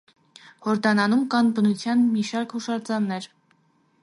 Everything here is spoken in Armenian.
Հորդանանում կան բնության մի շարք հուշարձաններ։